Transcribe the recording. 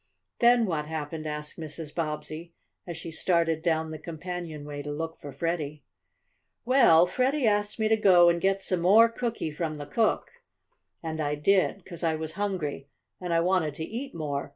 "Then what happened?" asked Mrs. Bobbsey, as she started down the companionway to look for Freddie. "Well, Freddie asked me to go and get some more cookie from the cook, and I did, 'cause I was hungry and I wanted to eat more.